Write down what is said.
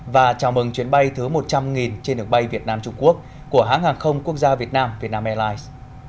và chào mừng chuyến bay thứ một trăm linh trên đường bay việt nam trung quốc của hãng hàng không quốc gia việt nam vietnam airlines